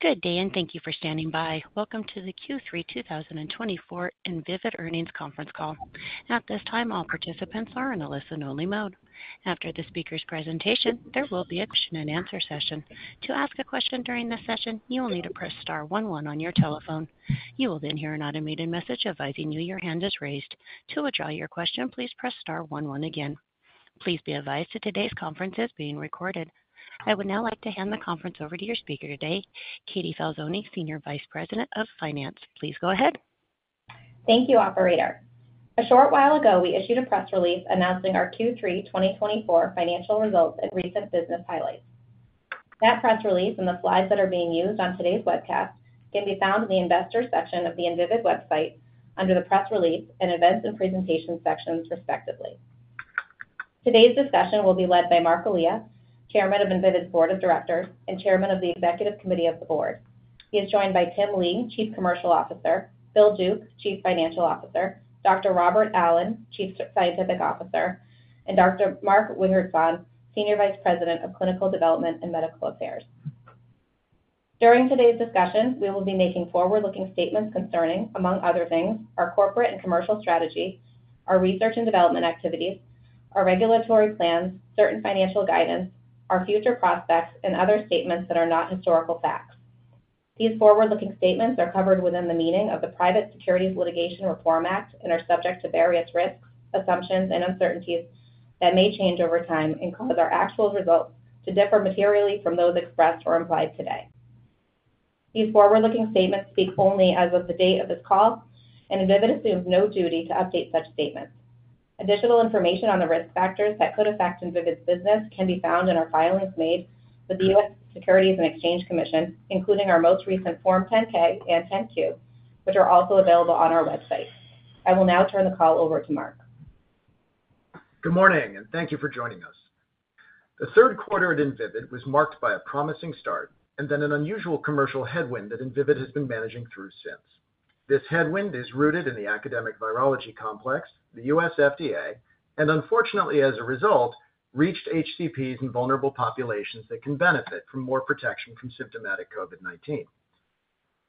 Good day and thank you for standing by. Welcome to the Q3 2024 Invivyd earnings conference call. At this time, all participants are in a listen-only mode. After the speaker's presentation, there will be a question-and-answer session. To ask a question during this session, you will need to press star 11 on your telephone. You will then hear an automated message advising you your hand is raised. To withdraw your question, please press star 11 again. Please be advised that today's conference is being recorded. I would now like to hand the conference over to your speaker today, Katie Falzone, Senior Vice President of Finance. Please go ahead. Thank you, Operator. A short while ago, we issued a press release announcing our Q3 2024 financial results and recent business highlights. That press release and the slides that are being used on today's webcast can be found in the Investor section of the Invivyd website under the Press Release and Events and Presentations sections, respectively. Today's discussion will be led by Marc Elia, Chairman of Invivyd's Board of Directors and Chairman of the Executive Committee of the Board. He is joined by Tim Lee, Chief Commercial Officer, Bill Duke, Chief Financial Officer, Dr. Robert Allen, Chief Scientific Officer, and Dr. Mark Wingertzahn, Senior Vice President of Clinical Development and Medical Affairs. During today's discussion, we will be making forward-looking statements concerning, among other things, our corporate and commercial strategy, our research and development activities, our regulatory plans, certain financial guidance, our future prospects, and other statements that are not historical facts. These forward-looking statements are covered within the meaning of the Private Securities Litigation Reform Act and are subject to various risks, assumptions, and uncertainties that may change over time and cause our actual results to differ materially from those expressed or implied today. These forward-looking statements speak only as of the date of this call, and Invivyd assumes no duty to update such statements. Additional information on the risk factors that could affect Invivyd's business can be found in our filings made with the U.S. Securities and Exchange Commission, including our most recent Form 10-K and 10-Q, which are also available on our website. I will now turn the call over to Marc. Good morning, and thank you for joining us. The third quarter at Invivyd was marked by a promising start and then an unusual commercial headwind that Invivyd has been managing through since. This headwind is rooted in the academic virology complex, the U.S. FDA, and unfortunately, as a result, reached HCPs and vulnerable populations that can benefit from more protection from symptomatic COVID-19.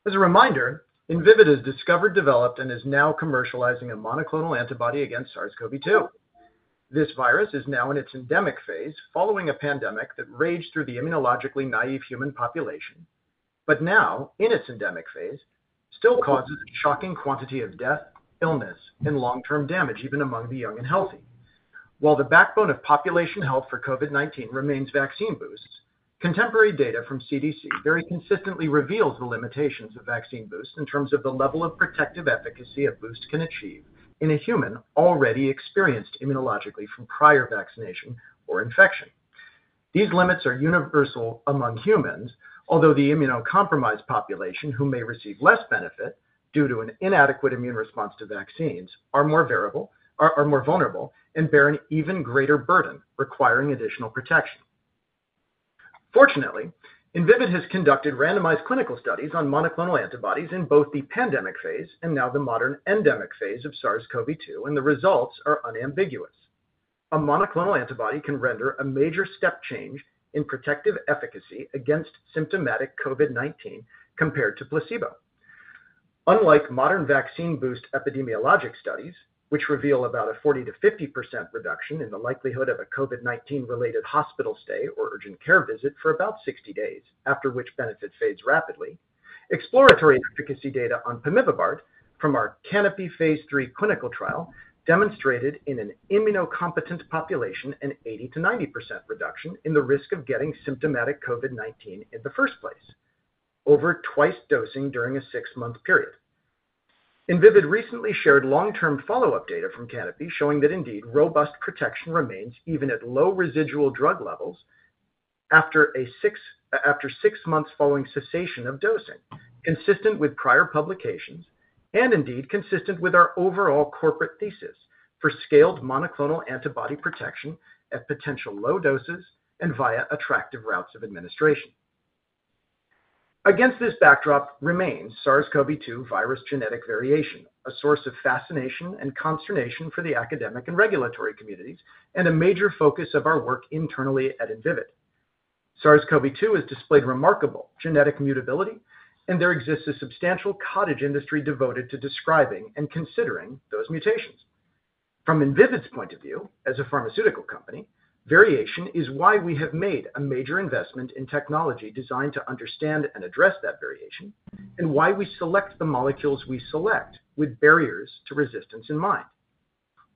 As a reminder, Invivyd has discovered, developed, and is now commercializing a monoclonal antibody against SARS-CoV-2. This virus is now in its endemic phase, following a pandemic that raged through the immunologically naive human population, but now, in its endemic phase, still causes a shocking quantity of death, illness, and long-term damage, even among the young and healthy. While the backbone of population health for COVID-19 remains vaccine boosts, contemporary data from CDC very consistently reveals the limitations of vaccine boosts in terms of the level of protective efficacy a boost can achieve in a human already experienced immunologically from prior vaccination or infection. These limits are universal among humans, although the immunocompromised population, who may receive less benefit due to an inadequate immune response to vaccines, are more vulnerable and bear an even greater burden, requiring additional protection. Fortunately, Invivyd has conducted randomized clinical studies on monoclonal antibodies in both the pandemic phase and now the modern endemic phase of SARS-CoV-2, and the results are unambiguous. A monoclonal antibody can render a major step change in protective efficacy against symptomatic COVID-19 compared to placebo. Unlike modern vaccine boost epidemiologic studies, which reveal about a 40%-50% reduction in the likelihood of a COVID-19-related hospital stay or urgent care visit for about 60 days, after which benefit fades rapidly, exploratory efficacy data on pemivibart from our CANOPY phase 3 clinical trial demonstrated in an immunocompetent population an 80%-90% reduction in the risk of getting symptomatic COVID-19 in the first place, over twice dosing during a six-month period. Invivyd recently shared long-term follow-up data from CANOPY showing that indeed robust protection remains even at low residual drug levels after six months following cessation of dosing, consistent with prior publications and indeed consistent with our overall corporate thesis for scaled monoclonal antibody protection at potential low doses and via attractive routes of administration. Against this backdrop remains SARS-CoV-2 virus genetic variation, a source of fascination and consternation for the academic and regulatory communities and a major focus of our work internally at Invivyd. SARS-CoV-2 has displayed remarkable genetic mutability, and there exists a substantial cottage industry devoted to describing and considering those mutations. From Invivyd's point of view, as a pharmaceutical company, variation is why we have made a major investment in technology designed to understand and address that variation, and why we select the molecules we select with barriers to resistance in mind.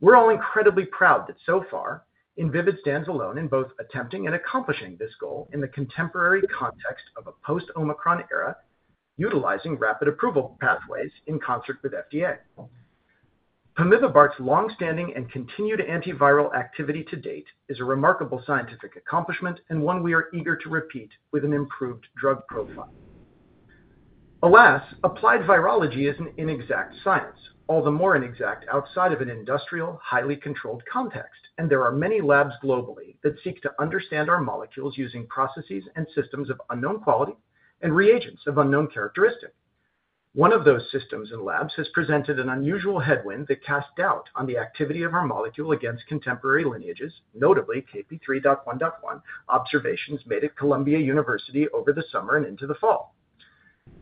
We're all incredibly proud that so far, Invivyd stands alone in both attempting and accomplishing this goal in the contemporary context of a post-Omicron era, utilizing rapid approval pathways in concert with FDA. Pemivibart's longstanding and continued antiviral activity to date is a remarkable scientific accomplishment and one we are eager to repeat with an improved drug profile. Alas, applied virology is an inexact science, all the more inexact outside of an industrial, highly controlled context, and there are many labs globally that seek to understand our molecules using processes and systems of unknown quality and reagents of unknown characteristic. One of those systems and labs has presented an unusual headwind that cast doubt on the activity of our molecule against contemporary lineages, notably KP.3.1.1 observations made at Columbia University over the summer and into the fall.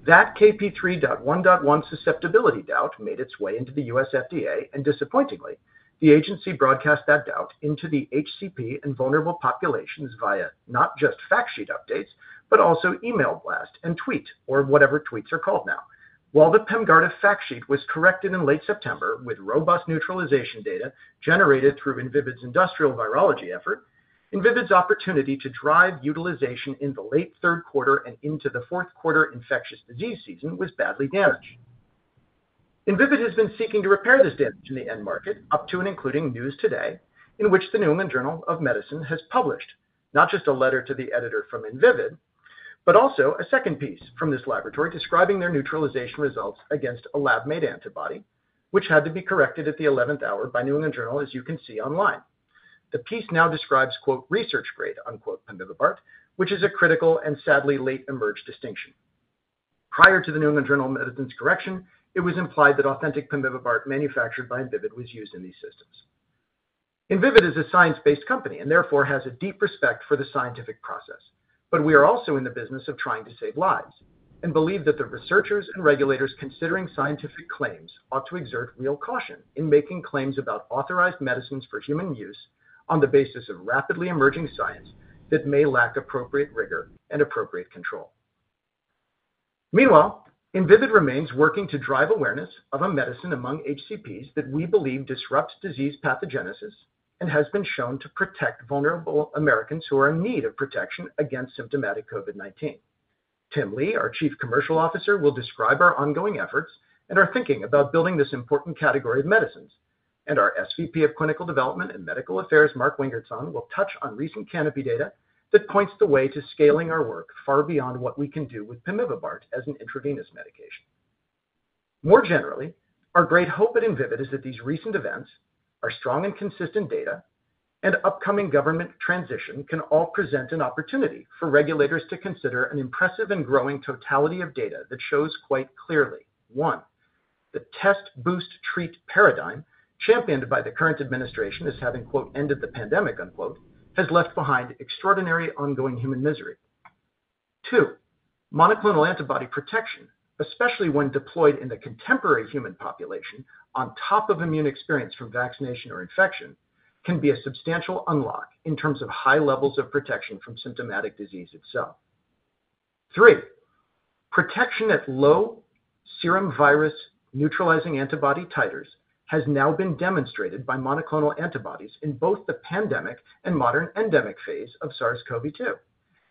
That KP.3.1.1 susceptibility doubt made its way into the U.S. FDA, and disappointingly, the agency broadcast that doubt into the HCP and vulnerable populations via not just fact sheet updates, but also email blast and tweet, or whatever tweets are called now. While the PEMGARDA fact sheet was corrected in late September with robust neutralization data generated through Invivyd's industrial virology effort, Invivyd's opportunity to drive utilization in the late third quarter and into the fourth quarter infectious disease season was badly damaged. Invivyd has been seeking to repair this damage in the end market up to and including news today in which the New England Journal of Medicine has published not just a letter to the editor from Invivyd, but also a second piece from this laboratory describing their neutralization results against a lab-made antibody, which had to be corrected at the 11th hour by New England Journal, as you can see online. The piece now describes, quote, "research grade" on pemivibart, which is a critical and sadly late-emerged distinction. Prior to The New England Journal of Medicine's correction, it was implied that authentic pemivibart manufactured by Invivyd was used in these systems. Invivyd is a science-based company and therefore has a deep respect for the scientific process, but we are also in the business of trying to save lives and believe that the researchers and regulators considering scientific claims ought to exert real caution in making claims about authorized medicines for human use on the basis of rapidly emerging science that may lack appropriate rigor and appropriate control. Meanwhile, Invivyd remains working to drive awareness of a medicine among HCPs that we believe disrupts disease pathogenesis and has been shown to protect vulnerable Americans who are in need of protection against symptomatic COVID-19. Tim Lee, our Chief Commercial Officer, will describe our ongoing efforts and our thinking about building this important category of medicines, and our SVP of Clinical Development and Medical Affairs, Marc Wingertzahn, will touch on recent CANOPY data that points the way to scaling our work far beyond what we can do with pemivibart as an intravenous medication. More generally, our great hope at Invivyd is that these recent events, our strong and consistent data, and upcoming government transition can all present an opportunity for regulators to consider an impressive and growing totality of data that shows quite clearly, one, the test-boost-treat paradigm championed by the current administration as having, quote, "ended the pandemic," unquote, has left behind extraordinary ongoing human misery. Two, monoclonal antibody protection, especially when deployed in the contemporary human population on top of immune experience from vaccination or infection, can be a substantial unlock in terms of high levels of protection from symptomatic disease itself. Three, protection at low serum virus neutralizing antibody titers has now been demonstrated by monoclonal antibodies in both the pandemic and modern endemic phase of SARS-CoV-2,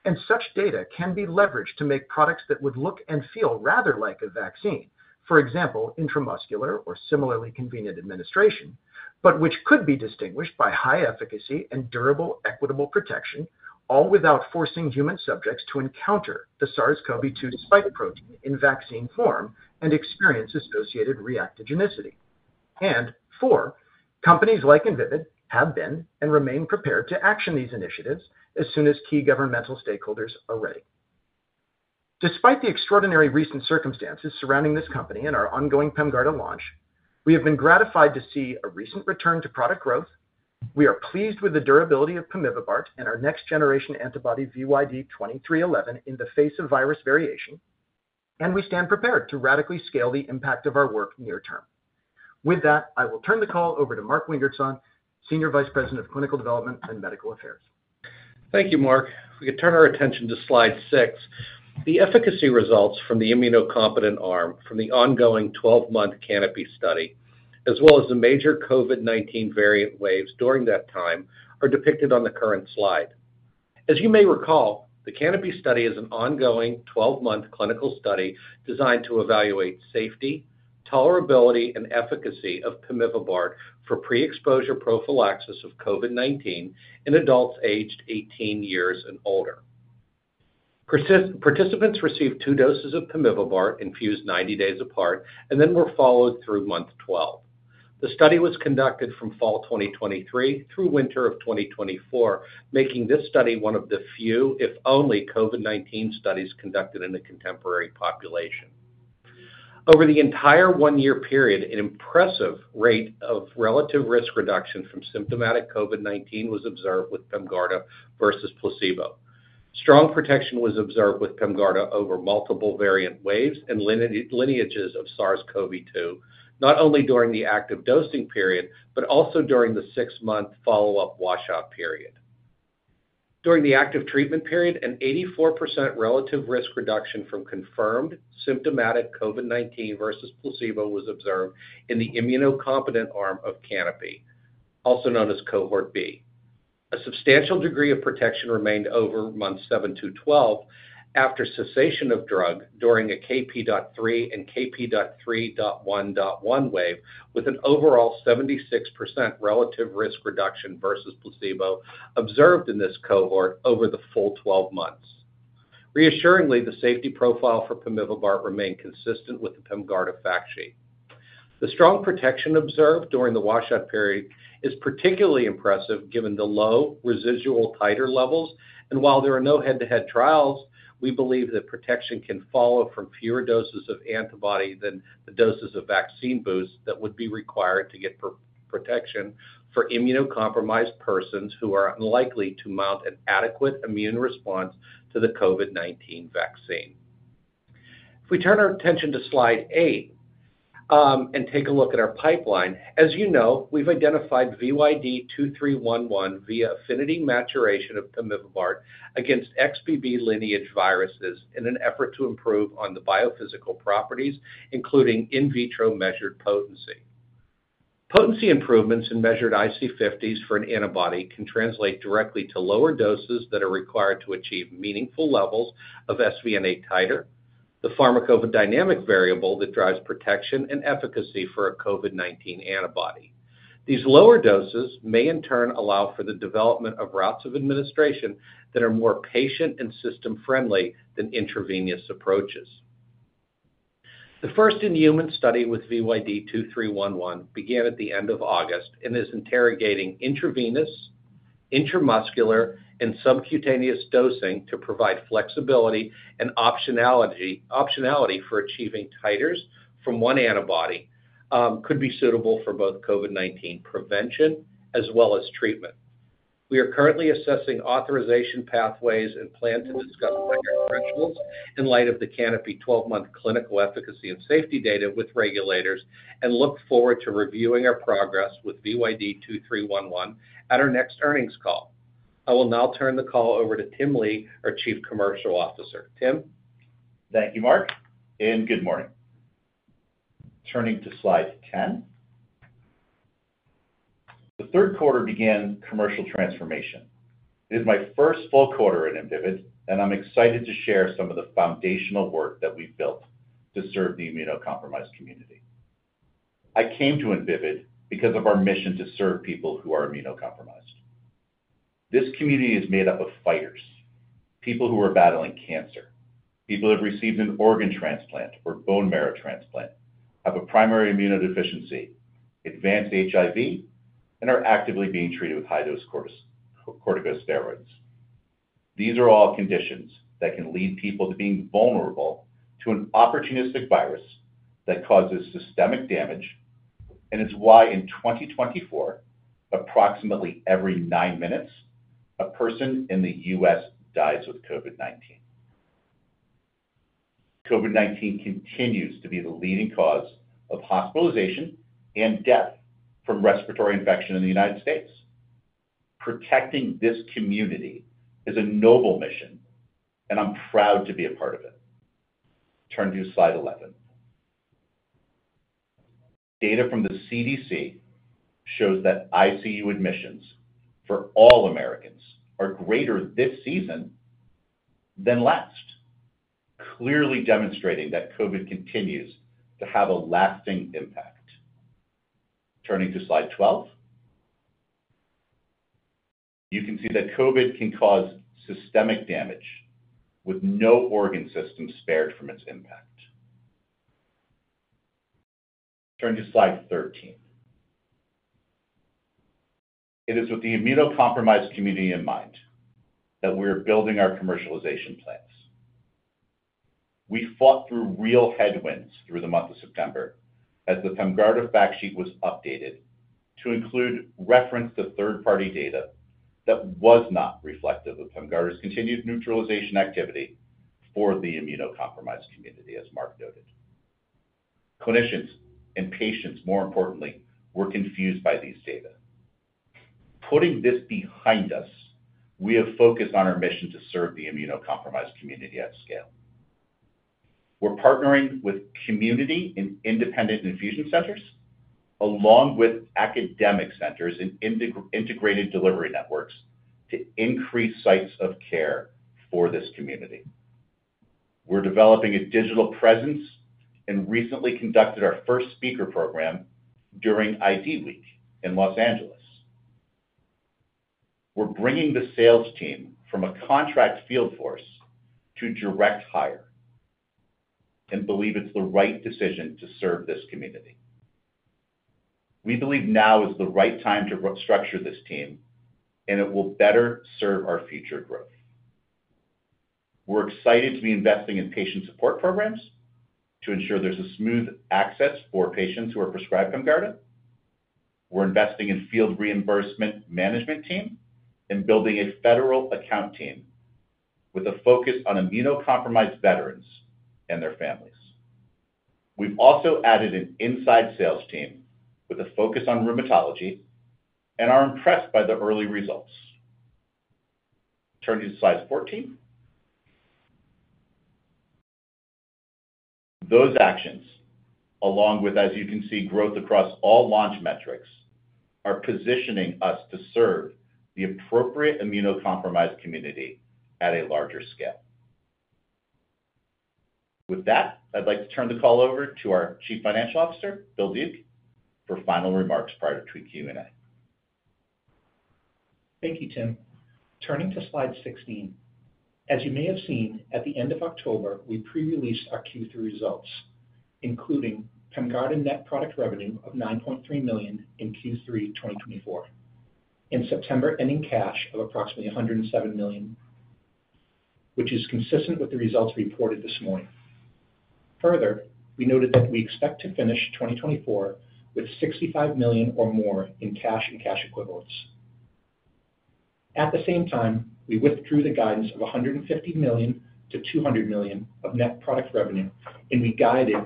and such data can be leveraged to make products that would look and feel rather like a vaccine, for example, intramuscular or similarly convenient administration, but which could be distinguished by high efficacy and durable, equitable protection, all without forcing human subjects to encounter the SARS-CoV-2 spike protein in vaccine form and experience associated reactogenicity. And four, companies like Invivyd have been and remain prepared to action these initiatives as soon as key governmental stakeholders are ready. Despite the extraordinary recent circumstances surrounding this company and our ongoing PEMGARDA launch, we have been gratified to see a recent return to product growth. We are pleased with the durability of pemivibart and our next generation antibody VYD2311 in the face of virus variation, and we stand prepared to radically scale the impact of our work near term. With that, I will turn the call over to Mark Wingertzahn, Senior Vice President of Clinical Development and Medical Affairs. Thank you, Marc. We can turn our attention to slide six. The efficacy results from the immunocompetent arm from the ongoing 12-month CANOPYstudy, as well as the major COVID-19 variant waves during that time, are depicted on the current slide. As you may recall, the Canopy study is an ongoing 12-month clinical study designed to evaluate safety, tolerability, and efficacy of pemivibart for pre-exposure prophylaxis of COVID-19 in adults aged 18 years and older. Participants received two doses of pemivibart infused 90 days apart and then were followed through month 12. The study was conducted from fall 2023 through winter of 2024, making this study one of the few, if only, COVID-19 studies conducted in a contemporary population. Over the entire one-year period, an impressive rate of relative risk reduction from symptomatic COVID-19 was observed with PEMGARDA versus placebo. Strong protection was observed with PEMGARDA over multiple variant waves and lineages of SARS-CoV-2, not only during the active dosing period, but also during the six-month follow-up washout period. During the active treatment period, an 84% relative risk reduction from confirmed symptomatic COVID-19 versus placebo was observed in the immunocompetent arm of CANOPY, also known as cohort B. A substantial degree of protection remained over months 7 through 12 after cessation of drug during a KP.3 and KP.3.1.1 wave, with an overall 76% relative risk reduction versus placebo observed in this cohort over the full 12 months. Reassuringly, the safety profile for pemivibart remained consistent with the PEMGARDA fact sheet. The strong protection observed during the washout period is particularly impressive given the low residual titer levels, and while there are no head-to-head trials, we believe that protection can follow from fewer doses of antibody than the doses of vaccine boosts that would be required to get protection for immunocompromised persons who are unlikely to mount an adequate immune response to the COVID-19 vaccine. If we turn our attention to slide eight and take a look at our pipeline, as you know, we've identified VYD2311 via affinity maturation of pemivibart against XBB lineage viruses in an effort to improve on the biophysical properties, including in vitro measured potency. Potency improvements in measured IC50s for an antibody can translate directly to lower doses that are required to achieve meaningful levels of sVNA titer, the pharmacodynamic variable that drives protection and efficacy for a COVID-19 antibody. These lower doses may in turn allow for the development of routes of administration that are more patient and system-friendly than intravenous approaches. The first-in-human study with VYD2311 began at the end of August and is interrogating intravenous, intramuscular, and subcutaneous dosing to provide flexibility and optionality for achieving titers from one antibody could be suitable for both COVID-19 prevention as well as treatment. We are currently assessing authorization pathways and plan to discuss critical thresholds in light of the CANOPY 12-month clinical efficacy and safety data with regulators and look forward to reviewing our progress with VYD2311 at our next earnings call. I will now turn the call over to Tim Lee, our Chief Commercial Officer. Tim. Thank you, Marc, and good morning. Turning to slide 10. The third quarter began commercial transformation. It is my first full quarter at Invivyd, and I'm excited to share some of the foundational work that we've built to serve the immunocompromised community. I came to Invivyd because of our mission to serve people who are immunocompromised. This community is made up of fighters, people who are battling cancer, people who have received an organ transplant or bone marrow transplant, have a primary immunodeficiency, advanced HIV, and are actively being treated with high-dose corticosteroids. These are all conditions that can lead people to being vulnerable to an opportunistic virus that causes systemic damage, and it's why in 2024, approximately every nine minutes, a person in the U.S. dies with COVID-19. COVID-19 continues to be the leading cause of hospitalization and death from respiratory infection in the United States. Protecting this community is a noble mission, and I'm proud to be a part of it. Turn to slide 11. Data from the CDC shows that ICU admissions for all Americans are greater this season than last, clearly demonstrating that COVID continues to have a lasting impact. Turning to slide 12. You can see that COVID can cause systemic damage with no organ system spared from its impact. Turn to slide 13. It is with the immunocompromised community in mind that we're building our commercialization plans. We fought through real headwinds through the month of September as the PEMGARDA fact sheet was updated to include reference to third-party data that was not reflective of PEMGARDA's continued neutralization activity for the immunocompromised community, as Marc noted. Clinicians and patients, more importantly, were confused by these data. Putting this behind us, we have focused on our mission to serve the immunocompromised community at scale. We're partnering with community and independent infusion centers, along with academic centers and integrated delivery networks to increase sites of care for this community. We're developing a digital presence and recently conducted our first speaker program during IDWeek in Los Angeles. We're bringing the sales team from a contract field force to direct hire and believe it's the right decision to serve this community. We believe now is the right time to structure this team, and it will better serve our future growth. We're excited to be investing in patient support programs to ensure there's a smooth access for patients who are prescribed PEMGARDA. We're investing in field reimbursement management teams and building a federal account team with a focus on immunocompromised veterans and their families. We've also added an inside sales team with a focus on rheumatology, and are impressed by the early results. Turn to slide 14. Those actions, along with, as you can see, growth across all launch metrics, are positioning us to serve the appropriate immunocompromised community at a larger scale. With that, I'd like to turn the call over to our Chief Financial Officer, Bill Duke, for final remarks prior to Q&A. Thank you, Tim. Turning to slide 16. As you may have seen, at the end of October, we pre-released our Q3 results, including PEMGARDA net product revenue of $9.3 million in Q3 2024, in September ending cash of approximately $107 million, which is consistent with the results reported this morning. Further, we noted that we expect to finish 2024 with $65 million or more in cash and cash equivalents. At the same time, we withdrew the guidance of $150 million-$200 million of net product revenue, and we guided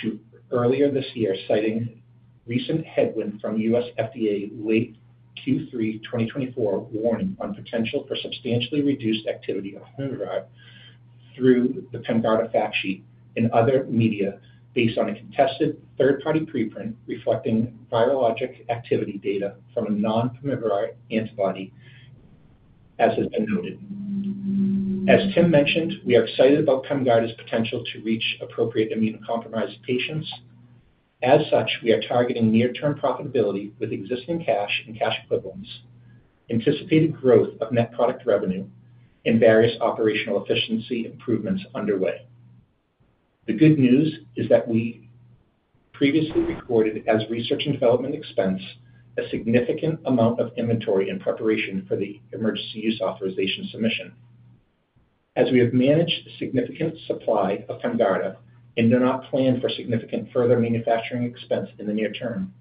to earlier this year, citing recent headwind from U.S. FDA late Q3 2024 warning on potential for substantially reduced activity of PEMGARDA through the PEMGARDA fact sheet and other media based on a contested third-party preprint reflecting virologic activity data from a non-PEMGARDA antibody, as has been noted. As Tim mentioned, we are excited about PEMGARDA's potential to reach appropriate immunocompromised patients. As such, we are targeting near-term profitability with existing cash and cash equivalents, anticipated growth of net product revenue, and various operational efficiency improvements underway. The good news is that we previously recorded as research and development expense a significant amount of inventory in preparation for the emergency use authorization submission. As we have managed a significant supply of PEMGARDA and do not plan for significant further manufacturing expense in the near term,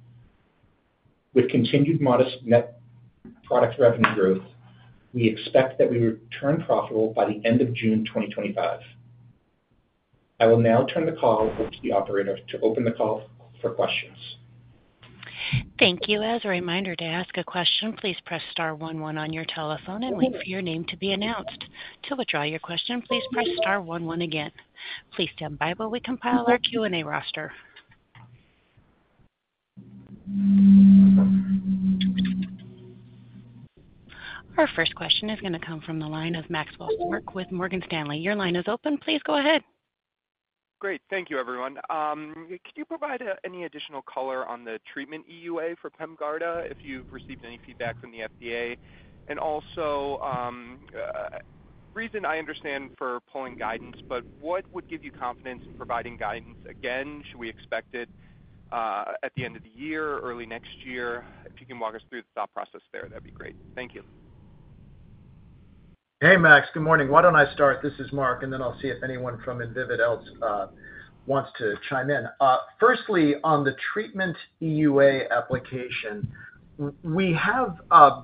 with continued modest net product revenue growth, we expect that we will return profitable by the end of June 2025. I will now turn the call over to the operator to open the call for questions. Thank you. As a reminder to ask a question, please press star 11 on your telephone and wait for your name to be announced. To withdraw your question, please press star 11 again. Please stand by while we compile our Q&A roster. Our first question is going to come from the line of Maxwell Skor with Morgan Stanley. Your line is open. Please go ahead. Great. Thank you, everyone. Could you provide any additional color on the treatment EUA for PEMGARDA if you've received any feedback from the FDA? And also, reason I understand for pulling guidance, but what would give you confidence in providing guidance again? Should we expect it at the end of the year, early next year? If you can walk us through the thought process there, that'd be great. Thank you. Hey, Max. Good morning. Why don't I start? This is Mark, and then I'll see if anyone else from Invivyd wants to chime in. First, on the treatment EUA application, we have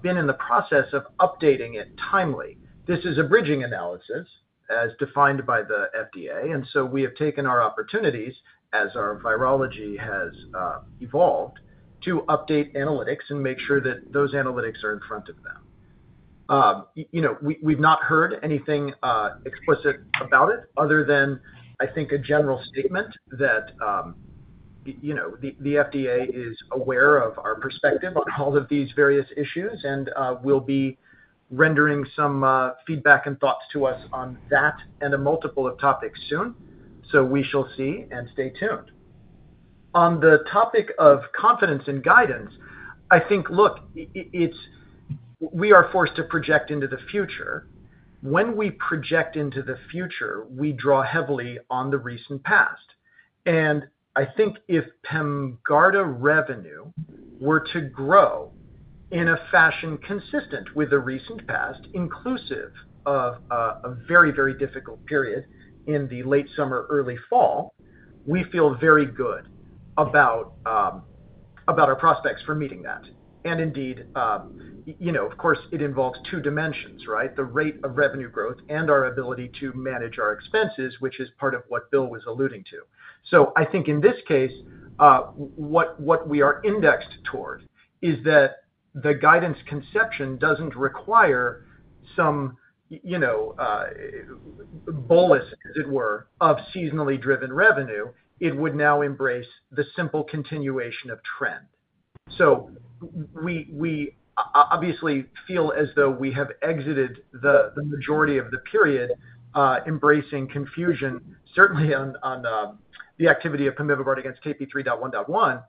been in the process of updating it timely. This is a bridging analysis as defined by the FDA, and so we have taken our opportunities, as our virology has evolved, to update analytics and make sure that those analytics are in front of them. We've not heard anything explicit about it other than, I think, a general statement that the FDA is aware of our perspective on all of these various issues and will be rendering some feedback and thoughts to us on that and a multitude of topics soon. So we shall see and stay tuned. On the topic of confidence and guidance, I think, look, we are forced to project into the future. When we project into the future, we draw heavily on the recent past. And I think if PEMGARDA revenue were to grow in a fashion consistent with the recent past, inclusive of a very, very difficult period in the late summer, early fall, we feel very good about our prospects for meeting that. And indeed, of course, it involves two dimensions, right? The rate of revenue growth and our ability to manage our expenses, which is part of what Bill was alluding to. So I think in this case, what we are indexed toward is that the guidance conception doesn't require some bolus, as it were, of seasonally driven revenue. It would now embrace the simple continuation of trend. So we obviously feel as though we have exited the majority of the period, embracing confusion, certainly on the activity of PEMGARDA against KP.3.1.1,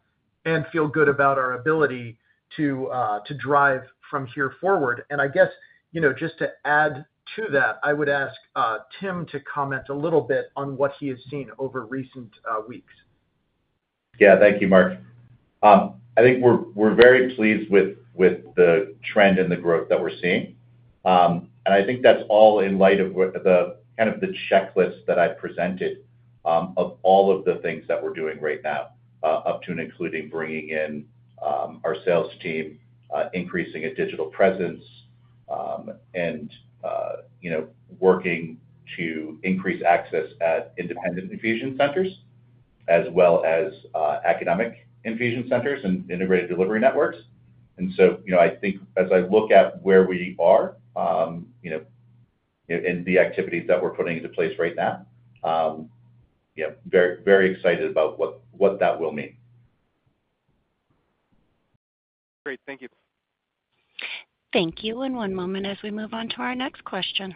and feel good about our ability to drive from here forward. And I guess just to add to that, I would ask Tim to comment a little bit on what he has seen over recent weeks. Yeah, thank you, Marc. I think we're very pleased with the trend and the growth that we're seeing. And I think that's all in light of kind of the checklist that I presented of all of the things that we're doing right now, up to and including bringing in our sales team, increasing a digital presence, and working to increase access at independent infusion centers, as well as academic infusion centers and integrated delivery networks. And so I think as I look at where we are and the activities that we're putting into place right now, yeah, very excited about what that will mean. Great. Thank you. Thank you, and one moment as we move on to our next question.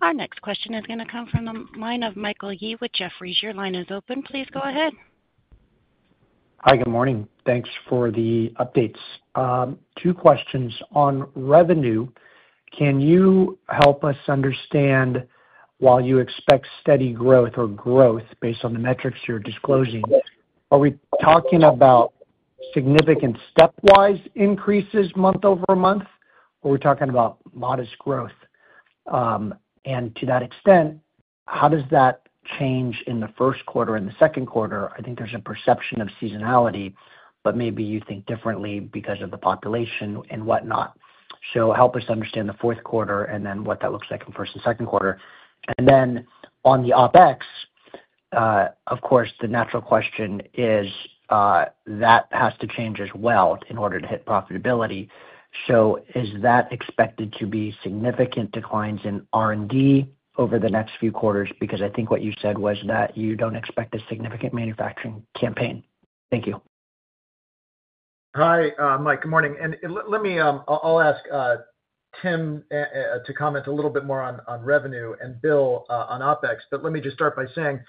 Our next question is going to come from the line of Michael Yee with Jefferies. Your line is open. Please go ahead. Hi, good morning. Thanks for the updates. Two questions on revenue. Can you help us understand why you expect steady growth or growth based on the metrics you're disclosing? Are we talking about significant stepwise increases month over month, or are we talking about modest growth? And to that extent, how does that change in the first quarter and the second quarter? I think there's a perception of seasonality, but maybe you think differently because of the population and whatnot. So help us understand the fourth quarter and then what that looks like in first and second quarter. And then on the OpEx, of course, the natural question is that has to change as well in order to hit profitability. So is that expected to be significant declines in R&D over the next few quarters? Because I think what you said was that you don't expect a significant manufacturing campaign. Thank you. Hi, Mike. Good morning. And I'll ask Tim to comment a little bit more on revenue and Bill on OpEx, but let me just start by saying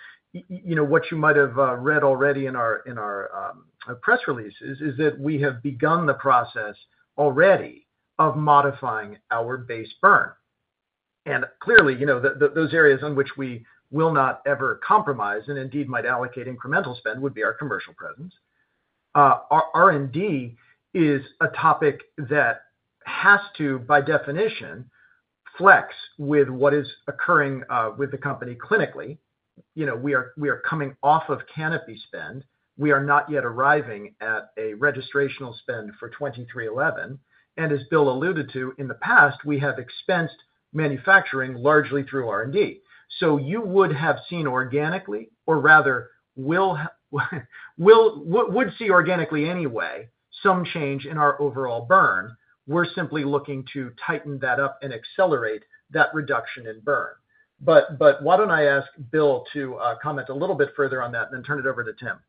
what you might have read already in our press release is that we have begun the process already of modifying our base burn. And clearly, those areas on which we will not ever compromise and indeed might allocate incremental spend would be our commercial presence. R&D is a topic that has to, by definition, flex with what is occurring with the company clinically. We are coming off of CANOPY spend. We are not yet arriving at a registrational spend for 2311. And as Bill alluded to in the past, we have expensed manufacturing largely through R&D. So you would have seen organically, or rather would see organically anyway, some change in our overall burn. We're simply looking to tighten that up and accelerate that reduction in burn. But why don't I ask Bill to comment a little bit further on that and then turn it over to Tim?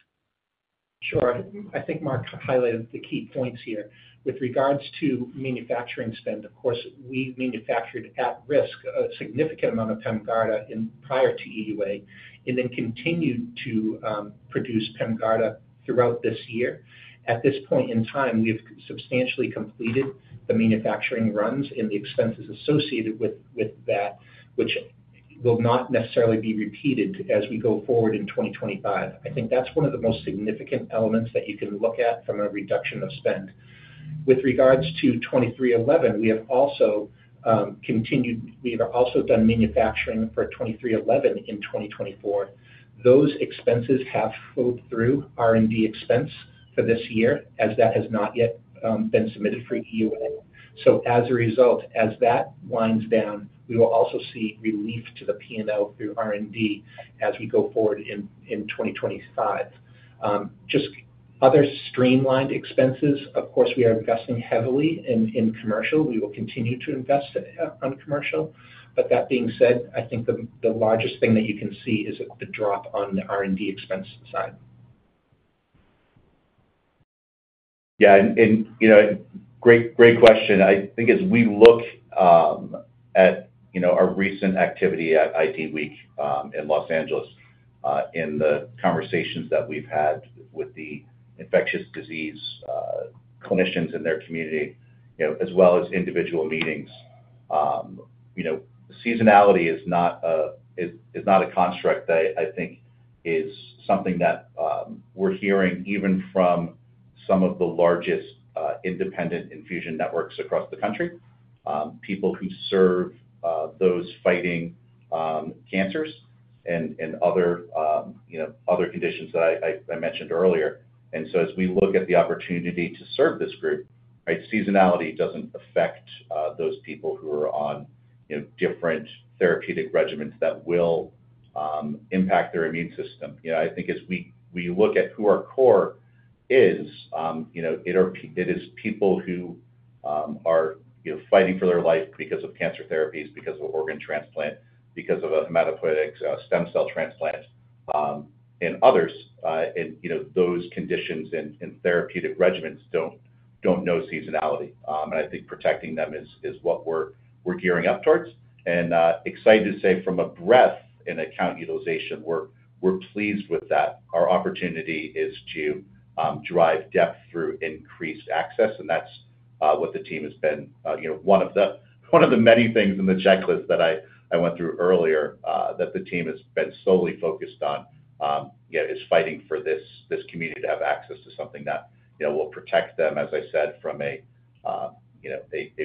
Sure. I think Marc highlighted the key points here. With regards to manufacturing spend, of course, we manufactured at risk a significant amount of PEMGARDA prior to EUA and then continued to produce PEMGARDA throughout this year. At this point in time, we have substantially completed the manufacturing runs and the expenses associated with that, which will not necessarily be repeated as we go forward in 2025. I think that's one of the most significant elements that you can look at from a reduction of spend. With regards to 2311, we have also done manufacturing for 2311 in 2024. Those expenses have flowed through R&D expense for this year, as that has not yet been submitted for EUA. So as a result, as that winds down, we will also see relief to the P&L through R&D as we go forward in 2025. Just other streamlined expenses. Of course, we are investing heavily in commercial. We will continue to invest on commercial. But that being said, I think the largest thing that you can see is the drop on the R&D expense side. Yeah. And great question. I think as we look at our recent activity at IDWeek in Los Angeles and the conversations that we've had with the infectious disease clinicians in their community, as well as individual meetings, seasonality is not a construct that I think is something that we're hearing even from some of the largest independent infusion networks across the country, people who serve those fighting cancers and other conditions that I mentioned earlier. And so as we look at the opportunity to serve this group, seasonality doesn't affect those people who are on different therapeutic regimens that will impact their immune system. I think as we look at who our core is, it is people who are fighting for their life because of cancer therapies, because of organ transplant, because of a hematopoietic stem cell transplant, and others. And those conditions and therapeutic regimens don't know seasonality. I think protecting them is what we're gearing up towards. Excited to say from a breadth and account utilization, we're pleased with that. Our opportunity is to drive depth through increased access, and that's what the team has been one of the many things in the checklist that I went through earlier that the team has been solely focused on is fighting for this community to have access to something that will protect them, as I said, from a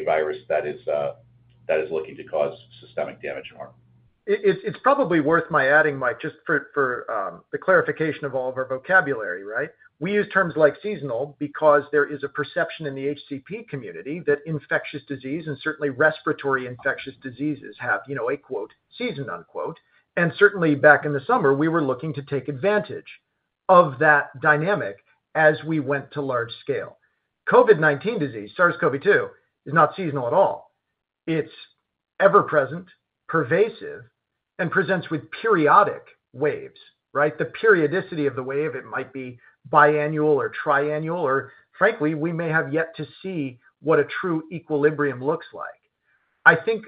virus that is looking to cause systemic damage and harm. It's probably worth my adding, Mike, just for the clarification of all of our vocabulary, right? We use terms like seasonal because there is a perception in the HCP community that infectious disease and certainly respiratory infectious diseases have a "season," and certainly back in the summer, we were looking to take advantage of that dynamic as we went to large scale. COVID-19 disease, SARS-CoV-2, is not seasonal at all. It's ever-present, pervasive, and presents with periodic waves, right? The periodicity of the wave, it might be biannual or triannual, or frankly, we may have yet to see what a true equilibrium looks like. I think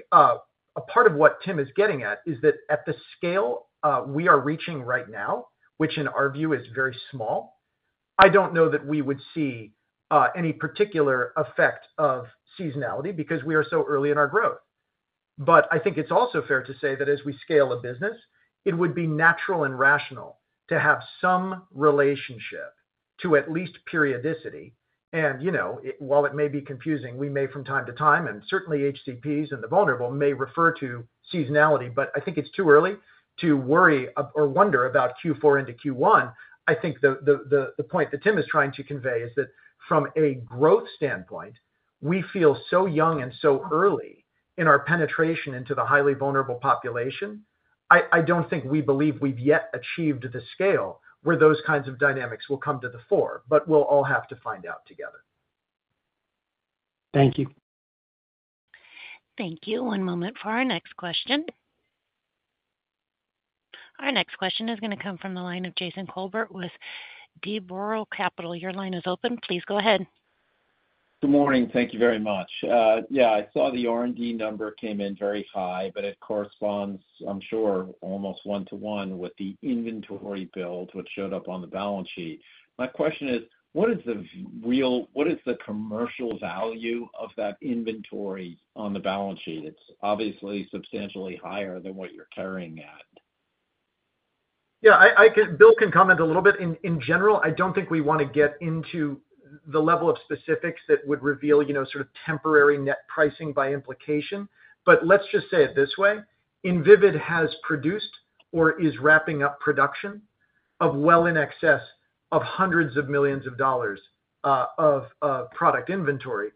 a part of what Tim is getting at is that at the scale we are reaching right now, which in our view is very small, I don't know that we would see any particular effect of seasonality because we are so early in our growth. But I think it's also fair to say that as we scale a business, it would be natural and rational to have some relationship to at least periodicity. And while it may be confusing, we may from time to time, and certainly HCPs and the vulnerable may refer to seasonality, but I think it's too early to worry or wonder about Q4 into Q1. I think the point that Tim is trying to convey is that from a growth standpoint, we feel so young and so early in our penetration into the highly vulnerable population. I don't think we believe we've yet achieved the scale where those kinds of dynamics will come to the fore, but we'll all have to find out together. Thank you. Thank you. One moment for our next question. Our next question is going to come from the line of Jason Kolbert with D. Boral Capital. Your line is open. Please go ahead. Good morning. Thank you very much. Yeah, I saw the R&D number came in very high, but it corresponds, I'm sure, almost one-to-one with the inventory build, which showed up on the balance sheet. My question is, what is the real what is the commercial value of that inventory on the balance sheet? It's obviously substantially higher than what you're carrying at. Yeah, Bill can comment a little bit. In general, I don't think we want to get into the level of specifics that would reveal sort of temporary net pricing by implication. But let's just say it this way. Invivyd has produced or is wrapping up production of well in excess of hundreds of millions of dollars of product inventory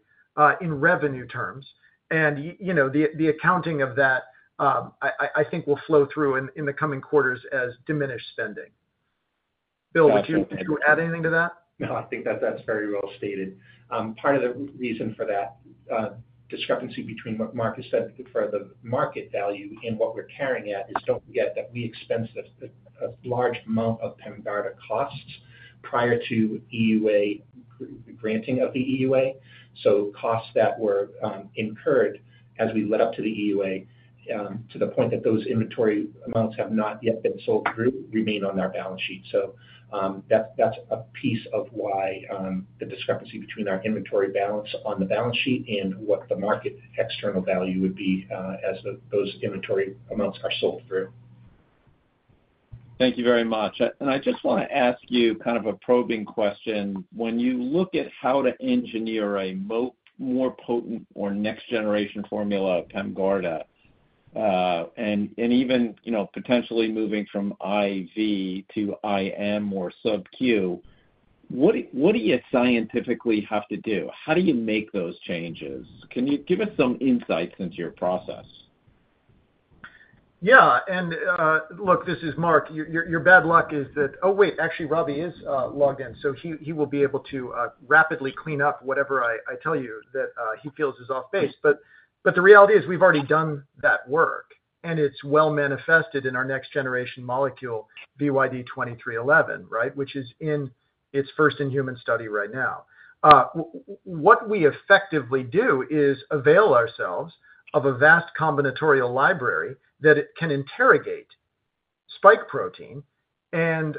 in revenue terms. And the accounting of that, I think, will flow through in the coming quarters as diminished spending. Bill, would you add anything to that? No, I think that's very well stated. Part of the reason for that discrepancy between what Marc has said for the market value and what we're carrying at is, don't forget that we expensed a large amount of PEMGARDA costs prior to EUA granting of the EUA. So costs that were incurred as we led up to the EUA to the point that those inventory amounts have not yet been sold through remain on our balance sheet. So that's a piece of why the discrepancy between our inventory balance on the balance sheet and what the market external value would be as those inventory amounts are sold through. Thank you very much. And I just want to ask you kind of a probing question. When you look at how to engineer a more potent or next-generation formula of PEMGARDA, and even potentially moving from IV to IM or sub-Q, what do you scientifically have to do? How do you make those changes? Can you give us some insights into your process? Yeah. And look, this is Marc. Your bad luck is that oh, wait, actually, Robbie is logged in, so he will be able to rapidly clean up whatever I tell you that he feels is off base. But the reality is we've already done that work, and it's well manifested in our next-generation molecule, VYD2311, right, which is in its first-in-human study right now. What we effectively do is avail ourselves of a vast combinatorial library that can interrogate spike protein and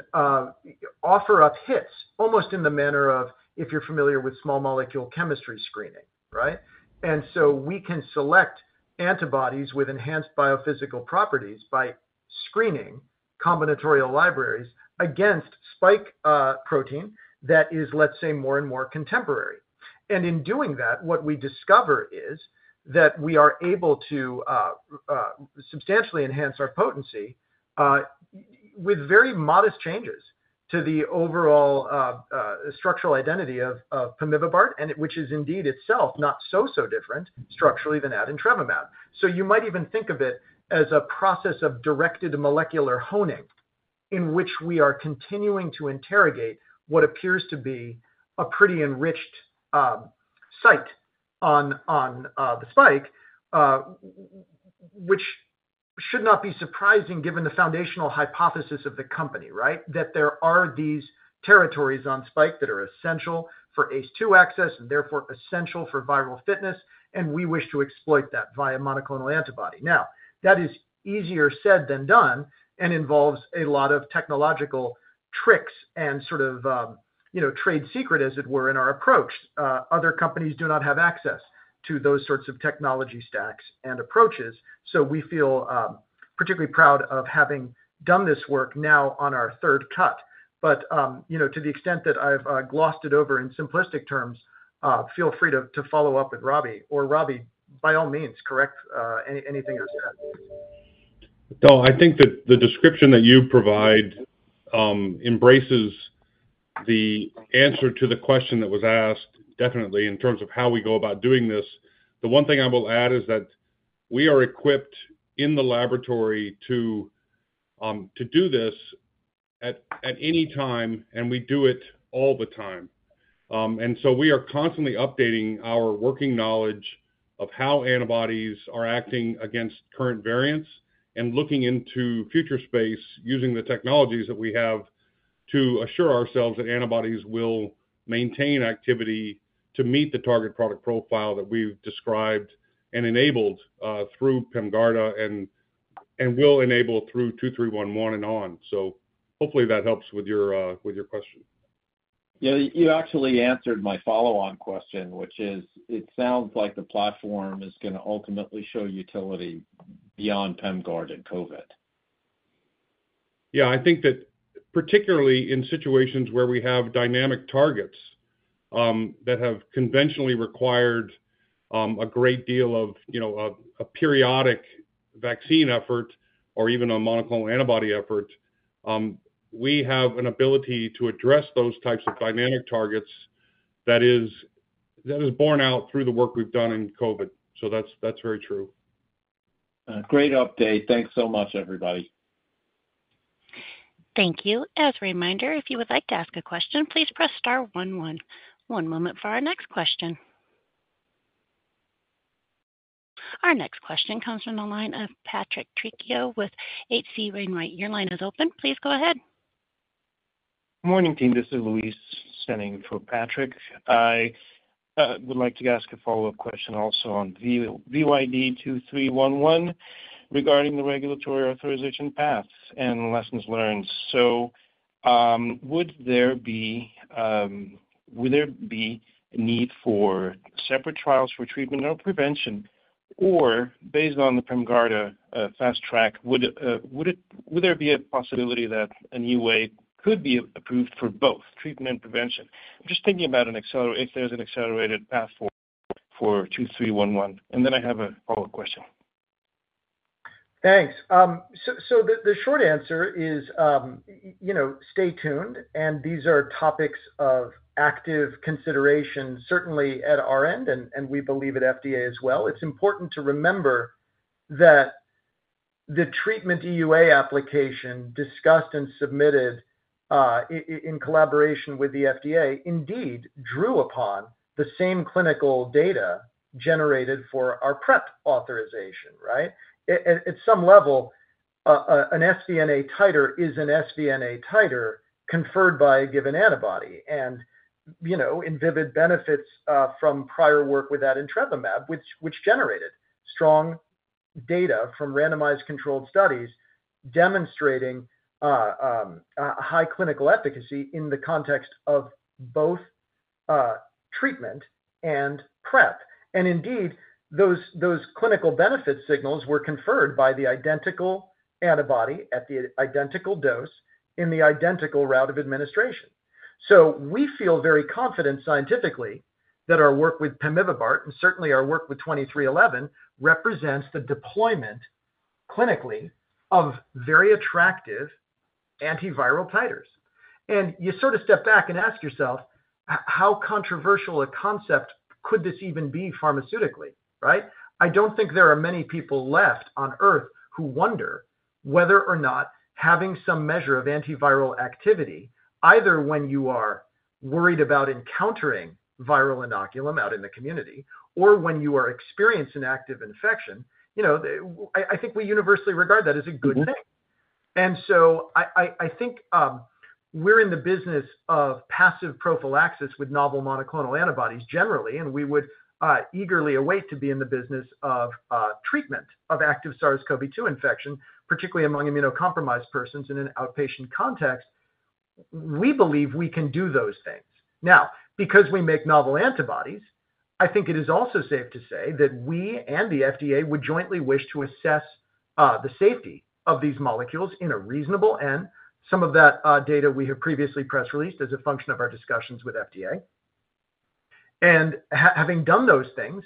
offer up hits almost in the manner of if you're familiar with small molecule chemistry screening, right? And so we can select antibodies with enhanced biophysical properties by screening combinatorial libraries against spike protein that is, let's say, more and more contemporary. And in doing that, what we discover is that we are able to substantially enhance our potency with very modest changes to the overall structural identity of PEMGARDA, which is indeed itself not so, so different structurally than adintrevimab. So you might even think of it as a process of directed molecular honing in which we are continuing to interrogate what appears to be a pretty enriched site on the spike, which should not be surprising given the foundational hypothesis of the company, right, that there are these territories on spike that are essential for ACE2 access and therefore essential for viral fitness, and we wish to exploit that via monoclonal antibody. Now, that is easier said than done and involves a lot of technological tricks and sort of trade secret, as it were, in our approach. Other companies do not have access to those sorts of technology stacks and approaches. So we feel particularly proud of having done this work now on our third cut. But to the extent that I've glossed it over in simplistic terms, feel free to follow up with Robbie, or Robbie, by all means, correct anything I've said. No, I think that the description that you provide embraces the answer to the question that was asked definitely in terms of how we go about doing this. The one thing I will add is that we are equipped in the laboratory to do this at any time, and we do it all the time, and so we are constantly updating our working knowledge of how antibodies are acting against current variants and looking into future space using the technologies that we have to assure ourselves that antibodies will maintain activity to meet the target product profile that we've described and enabled through PEMGARDA and will enable through VYD2311 and on, so hopefully that helps with your question. Yeah, you actually answered my follow-on question, which is, it sounds like the platform is going to ultimately show utility beyond PEMGARDA and COVID. Yeah, I think that particularly in situations where we have dynamic targets that have conventionally required a great deal of a periodic vaccine effort or even a monoclonal antibody effort, we have an ability to address those types of dynamic targets that is borne out through the work we've done in COVID. So that's very true. Great update. Thanks so much, everybody. Thank you. As a reminder, if you would like to ask a question, please press star 11. One moment for our next question. Our next question comes from the line of Patrick Trucchio with H.C. Wainwright. Your line is open. Please go ahead. Morning, team. This is Luis standing for Patrick. I would like to ask a follow-up question also on VYD2311 regarding the regulatory authorization paths and lessons learned, so would there be a need for separate trials for treatment or prevention, or based on the PEMGARDA fast track, would there be a possibility that an EUA could be approved for both treatment and prevention? I'm just thinking about if there's an accelerated path for 2311, and then I have a follow-up question. Thanks, so the short answer is stay tuned, and these are topics of active consideration, certainly at our end, and we believe at FDA as well. It's important to remember that the treatment EUA application discussed and submitted in collaboration with the FDA indeed drew upon the same clinical data generated for our prep authorization, right? At some level, an SVNA titer is an SVNA titer conferred by a given antibody, and Invivyd benefits from prior work with adintrevimab, which generated strong data from randomized controlled studies demonstrating high clinical efficacy in the context of both treatment and prep, and indeed, those clinical benefit signals were conferred by the identical antibody at the identical dose in the identical route of administration. So we feel very confident scientifically that our work with PEMGARDA and certainly our work with VYD2311 represents the deployment clinically of very attractive antiviral titers. You sort of step back and ask yourself, how controversial a concept could this even be pharmaceutically, right? I don't think there are many people left on earth who wonder whether or not having some measure of antiviral activity, either when you are worried about encountering viral inoculum out in the community or when you are experiencing an active infection. I think we universally regard that as a good thing. I think we're in the business of passive prophylaxis with novel monoclonal antibodies generally, and we would eagerly await to be in the business of treatment of active SARS-CoV-2 infection, particularly among immunocompromised persons in an outpatient context. We believe we can do those things. Now, because we make novel antibodies, I think it is also safe to say that we and the FDA would jointly wish to assess the safety of these molecules in a reasonable end. Some of that data we have previously press released as a function of our discussions with FDA. And having done those things,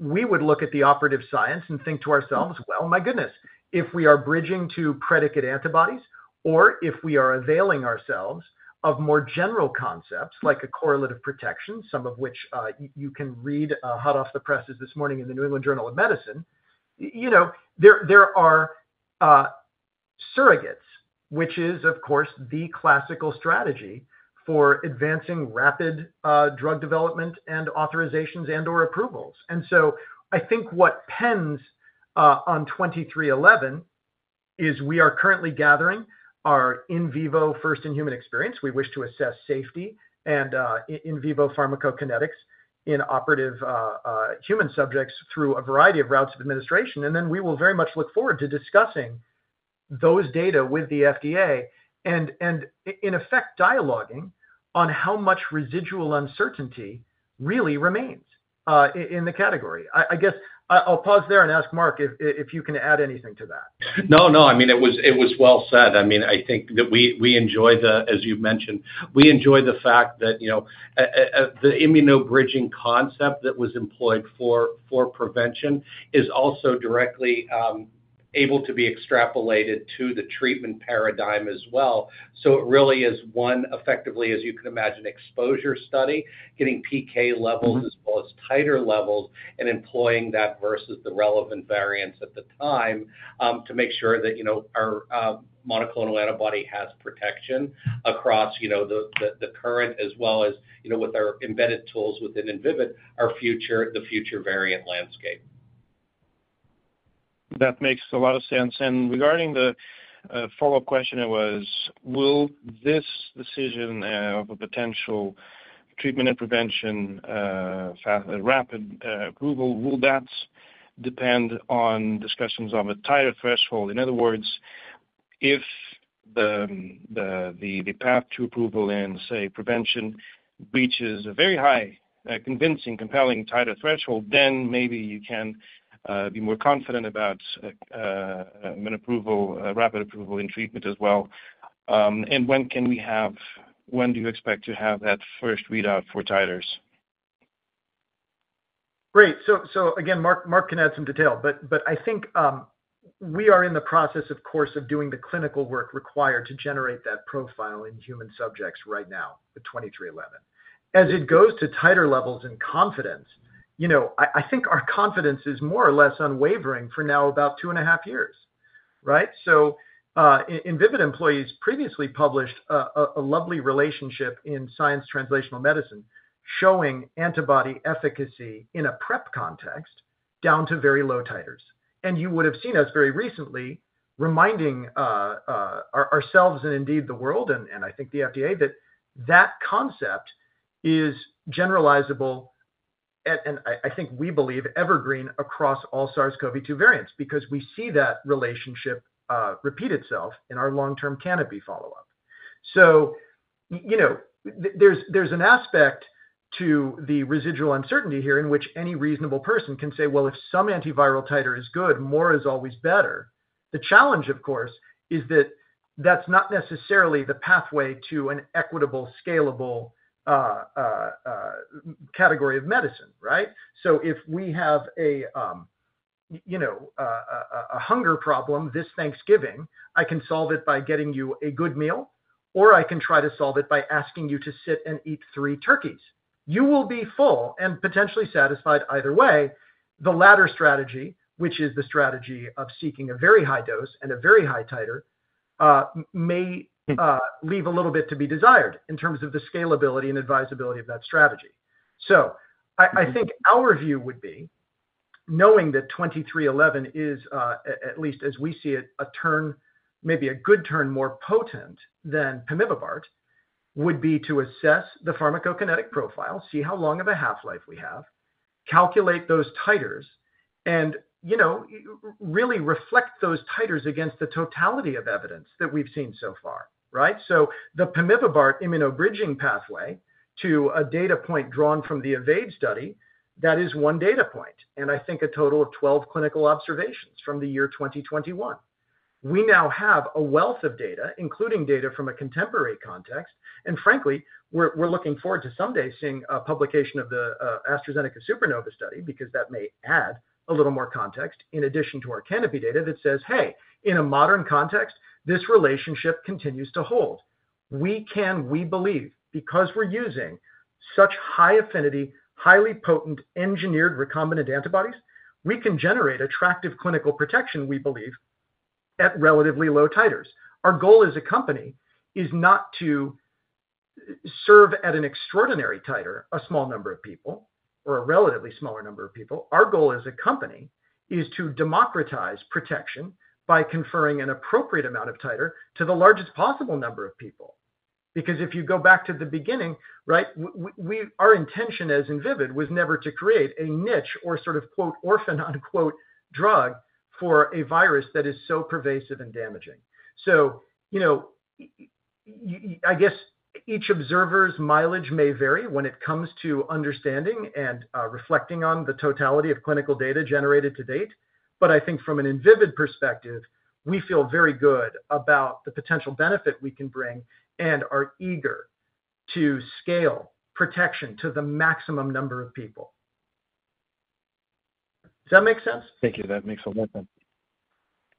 we would look at the operative science and think to ourselves, well, my goodness, if we are bridging to predicate antibodies or if we are availing ourselves of more general concepts like a correlative protection, some of which you can read hot off the presses this morning in The New England Journal of Medicine, there are surrogates, which is, of course, the classical strategy for advancing rapid drug development and authorizations and/or approvals. And so I think what pends on 2311 is we are currently gathering our in vivo first in human experience. We wish to assess safety and in vivo pharmacokinetics in operative human subjects through a variety of routes of administration, and then we will very much look forward to discussing those data with the FDA and, in effect, dialoguing on how much residual uncertainty really remains in the category. I guess I'll pause there and ask Marc if you can add anything to that. No, no. I mean, it was well said. I mean, I think that we enjoy the, as you've mentioned, we enjoy the fact that the immunobridging concept that was employed for prevention is also directly able to be extrapolated to the treatment paradigm as well. So it really is one, effectively, as you can imagine, exposure study, getting PK levels as well as titer levels and employing that versus the relevant variants at the time to make sure that our monoclonal antibody has protection across the current as well as with our embedded tools within Invivyd, the future variant landscape. That makes a lot of sense. And regarding the follow-up question, it was, will this decision of a potential treatment and prevention rapid approval, will that depend on discussions of a titer threshold? In other words, if the path to approval in, say, prevention reaches a very high, convincing, compelling titer threshold, then maybe you can be more confident about an approval, rapid approval in treatment as well. And when do you expect to have that first readout for titers? Great. So again, Mark can add some detail, but I think we are in the process, of course, of doing the clinical work required to generate that profile in human subjects right now with 2311. As it goes to titer levels and confidence, I think our confidence is more or less unwavering for now about two and a half years, right? Invivyd employees previously published a lovely relationship in Science Translational Medicine showing antibody efficacy in a prep context down to very low titers. You would have seen us very recently reminding ourselves and indeed the world, and I think the FDA, that that concept is generalizable, and I think we believe evergreen across all SARS-CoV-2 variants because we see that relationship repeat itself in our long-term CANOPY follow-up. So there's an aspect to the residual uncertainty here in which any reasonable person can say, well, if some antiviral titer is good, more is always better. The challenge, of course, is that that's not necessarily the pathway to an equitable, scalable category of medicine, right? So if we have a hunger problem this Thanksgiving, I can solve it by getting you a good meal, or I can try to solve it by asking you to sit and eat three turkeys. You will be full and potentially satisfied either way. The latter strategy, which is the strategy of seeking a very high dose and a very high titer, may leave a little bit to be desired in terms of the scalability and advisability of that strategy. So I think our view would be, knowing that 2311 is, at least as we see it, a turn, maybe a good turn more potent than PEMGARDA, would be to assess the pharmacokinetic profile, see how long of a half-life we have, calculate those titers, and really reflect those titers against the totality of evidence that we've seen so far, right? So the PEMGARDA immunobridging pathway to a data point drawn from the EVADE study, that is one data point, and I think a total of 12 clinical observations from the year 2021. We now have a wealth of data, including data from a contemporary context. And frankly, we're looking forward to someday seeing a publication of the AstraZeneca SUPERNOVA study because that may add a little more context in addition to our CANOPY data that says, hey, in a modern context, this relationship continues to hold. We can, we believe, because we're using such high affinity, highly potent, engineered recombinant antibodies, we can generate attractive clinical protection, we believe, at relatively low titers. Our goal as a company is not to serve at an extraordinary titer, a small number of people, or a relatively smaller number of people. Our goal as a company is to democratize protection by conferring an appropriate amount of titer to the largest possible number of people. Because if you go back to the beginning, right, our intention as Invivyd was never to create a niche or sort of "orphan" drug for a virus that is so pervasive and damaging. So I guess each observer's mileage may vary when it comes to understanding and reflecting on the totality of clinical data generated to date. But I think from an Invivyd perspective, we feel very good about the potential benefit we can bring and are eager to scale protection to the maximum number of people. Does that make sense? Thank you. That makes a lot of sense.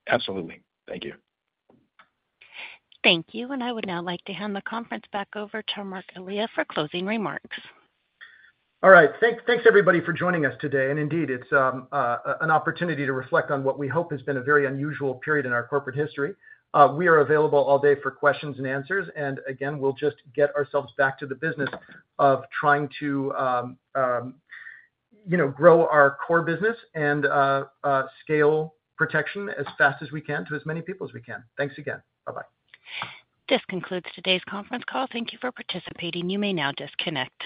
Absolutely. Thank you. Thank you. And I would now like to hand the conference back over to Marc Elia for closing remarks. All right. Thanks, everybody, for joining us today. And indeed, it's an opportunity to reflect on what we hope has been a very unusual period in our corporate history. We are available all day for questions and answers. And again, we'll just get ourselves back to the business of trying to grow our core business and scale protection as fast as we can to as many people as we can. Thanks again. Bye-bye. This concludes today's conference call. Thank you for participating. You may now disconnect.